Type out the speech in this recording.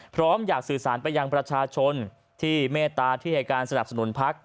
อยากสื่อสารไปยังประชาชนที่เมตตาที่ให้การสนับสนุนพัก